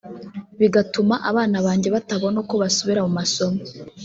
bigatuma abana banjye batabona uko basubira mu masomo